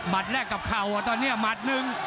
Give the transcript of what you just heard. แรกกับเข่าตอนนี้หมัดหนึ่ง